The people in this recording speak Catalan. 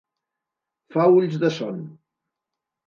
Fa ulls de son.